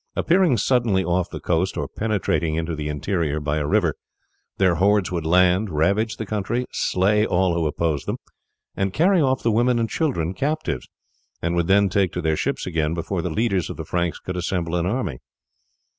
Appearing suddenly off the coast, or penetrating into the interior by a river, their hordes would land, ravage the country, slay all who opposed them, and carry off the women and children captives, and would then take to their ships again before the leaders of the Franks could assemble an army.